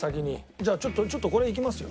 じゃあちょっとちょっとこれいきますよ。